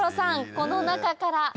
この中から。